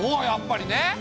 やっぱりね。